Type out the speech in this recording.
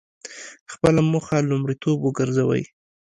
خپله موخه لومړیتوب وګرځوئ.